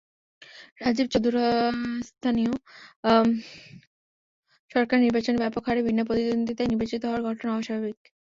রাজীব চৌধুরীস্থানীয় সরকার নির্বাচনে ব্যাপক হারে বিনা প্রতিদ্বন্দ্বিতায় নির্বাচিত হওয়ার ঘটনা অস্বাভাবিক।